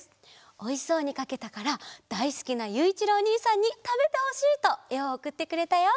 おいしそうにかけたからだいすきなゆういちろうおにいさんにたべてほしいとえをおくってくれたよ。